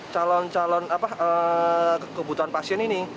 calon calon kebutuhan pasien ini